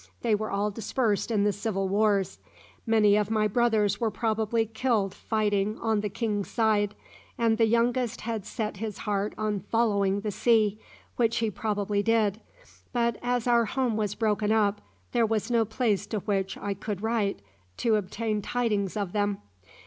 They were all dispersed in the Civil Wars. Many of my brothers were probably killed fighting on the king's side, and the youngest had set his heart on following the sea, which he probably did; but as our home was broken up, there was no place to which I could write to obtain tidings of them."